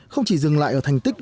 không chỉ dừng lại ở thành tích